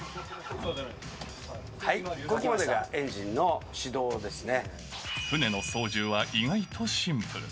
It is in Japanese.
ここまでがエンジンの始動で船の操縦は意外とシンプル。